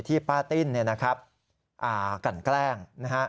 ที่ป้าติ้นกันแกล้ง